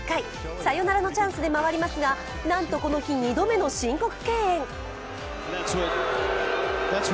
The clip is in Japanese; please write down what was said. サヨナラのチャンスで回りますが、なんとこの日、２度目の申告敬遠。